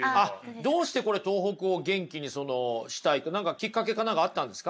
どうしてこれ東北を元気にしたいって何かきっかけか何かあったんですか？